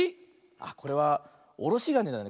あっこれはおろしがねだね。